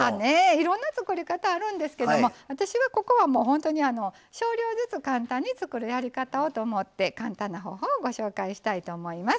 いろんな作り方があるんですけど私は、ここは本当に少量ずつ簡単に作るやり方をと思って簡単な方法をご紹介したいと思います。